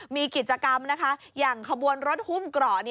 มีกิจกรรมอย่างขบวนรถฮุ่มเกรา